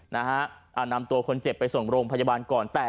นำตัวคนเจ็บไปส่งโรงพยาบาลก่อน